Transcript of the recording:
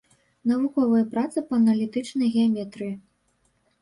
Навуковыя працы па аналітычнай геаметрыі.